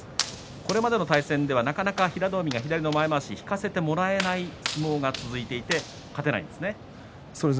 これまでの対戦ではなかなか平戸海が左の前まわしを引かせてもらえない相撲が続いていて勝てないんですね。